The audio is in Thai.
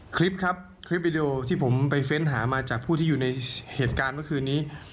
คลิปครับคลิปวิดีโอที่ผมไปเฟ้นหามาจากผู้ที่อยู่ในเหตุการณ์เมื่อคืนนี้